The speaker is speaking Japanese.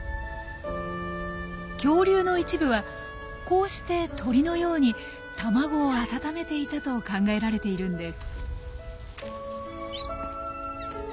恐竜の一部はこうして鳥のように卵を温めていたと考えられているんです。